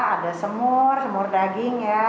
ada semur semur daging ya